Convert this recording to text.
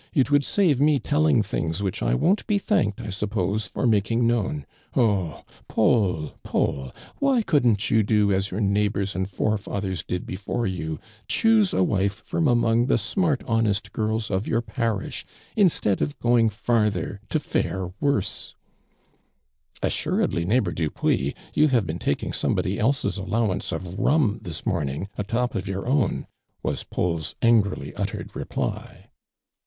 It would save me telling things which 1 won't be thanked, I suppose, for making known. Oh I Paul, Paul, why couldn't you do as your neighbors and forefathers did before you, choose a wife from among the smart, honest girls of your parish, instead of going farther to fare worse'/'' "Assuiedly, neighbor Dupuis, you have been taking somebody else's allowance of rum this morning, atop of your own," was Paul's angrily uttered reply.